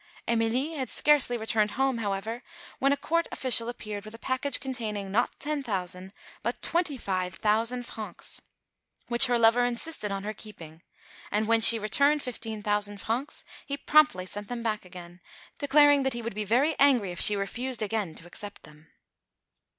Emilie had scarcely returned home, however, when a Court official appeared with a package containing, not ten thousand, but twenty five thousand francs, which her lover insisted on her keeping; and when she returned fifteen thousand francs, he promptly sent them back again, declaring that he would be very angry if she refused again to accept them.